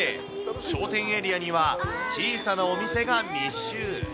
商店エリアには、小さなお店が密集。